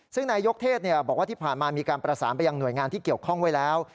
ซึ่งนายยกเทศบอกว่าที่ผ่านมามีการประสานไปยังหน่วยงานที่เกี่ยวข้องไว้แล้ว